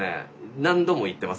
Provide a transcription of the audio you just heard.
何度も言ってます